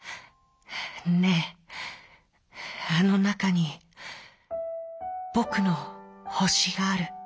ねえあのなかにぼくの星がある。